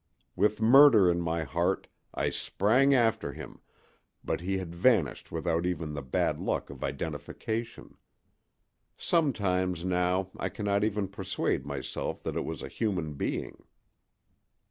With murder in my heart, I sprang after him, but he had vanished without even the bad luck of identification. Sometimes now I cannot even persuade myself that it was a human being.